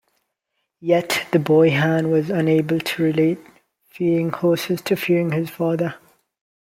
Yet, the boy Hans was unable to relate fearing horses to fearing his father.